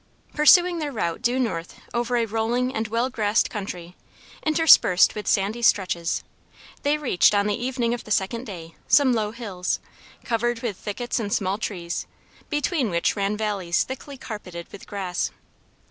Pursuing their route due north over a rolling and well grassed country, interspersed with sandy stretches, they reached, on the evening of the second day, some low hills, covered with thickets and small trees, between which ran valleys thickly carpeted with grass.